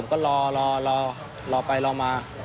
ก็รอรอรอรอไปรอมา